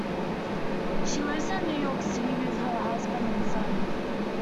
She lives in New York City with her husband and son.